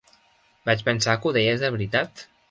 Vaig pensar que ho deies de veritat!